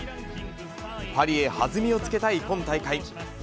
パリへ弾みをつけたい今大会。